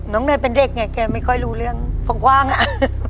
เนยเป็นเด็กไงแกไม่ค่อยรู้เรื่องกว้างอ่ะ